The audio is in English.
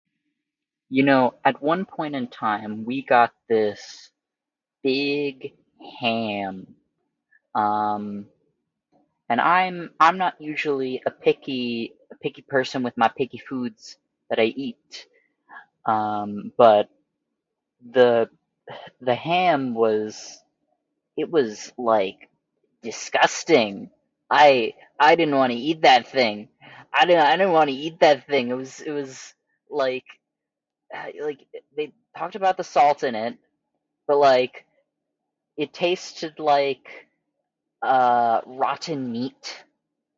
You know, at one point in time we got this big ham. Um, and I'm I'm not usually a picky a picky person with my picky foods that I eat, um, but the the ham was... it was like, disgusting! I I didn't wanna eat that thing! I didn't I didn't wanna eat that thing! It was it was like like they talked about the salt in it, but, like, it tasted like, uh, rotten meat.